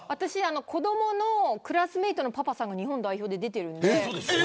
子どものクラスメートのパパさんが日本代表で出てるんで。